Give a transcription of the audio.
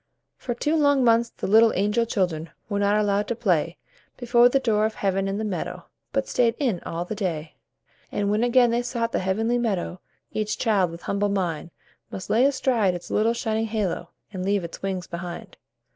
For two long months the little angel children Were not allowed to play Before the door of Heaven in the meadow, But stayed in all the day. And when again they sought the Heavenly Meadow Each child with humble mind Must lay aside its little shining halo, And leave its wings behind.